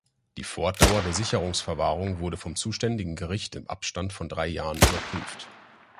Die Fortdauer der Sicherungsverwahrung wurde vom zuständigen Gericht im Abstand von drei Jahren überprüft.